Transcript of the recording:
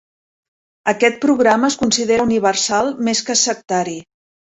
Aquest programa es considera universal, més que sectari.